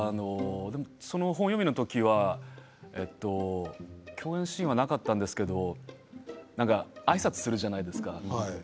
本読みの時は共演シーンはなかったんですけどあいさつをするじゃないですか。